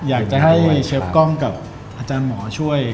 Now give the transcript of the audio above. อยากจะให้เชฟกล้องกับอาจารย์หมอช่วย